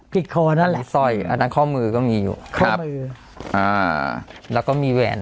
คอนั่นแหละสร้อยอันนั้นข้อมือก็มีอยู่ข้อมืออ่าแล้วก็มีแหวน